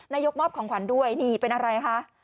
นายกมอบของขวัญด้วยนี่เป็นอะไรคะ